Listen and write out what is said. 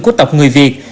của tộc người việt